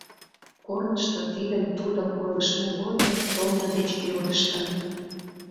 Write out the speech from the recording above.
Корнышто тидым-тудым ойлыштмо годым Тоня деч йодыштыныт: